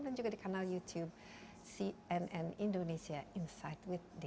dan juga di kanal youtube cnn indonesia insight with desi anwar